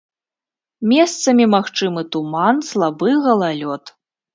Месцамі магчымы туман, слабы галалёд.